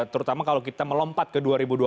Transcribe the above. terutama kalau kita melompat ke dua ribu dua puluh